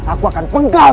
aku akan penggal kepalamu